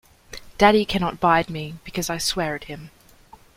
Daddy cannot bide me, because I swear at him.